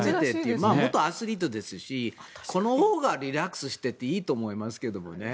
元アスリートですしこのほうがリラックスしていていいと思いますけどね。